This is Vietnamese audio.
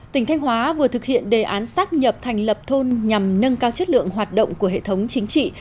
tỉnh thanh hóa vừa thực hiện đề án sắp nhập thành lập thôn nhằm nâng cao chất lượng hoạt động của hệ thống chính trị